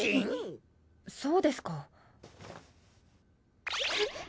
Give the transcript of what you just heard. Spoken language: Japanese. そうですか。